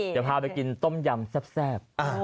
เดินพาไปกินต้มยำแซบ